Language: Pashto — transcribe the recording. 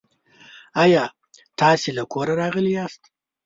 آیا تاسو له کوره راغلي یاست؟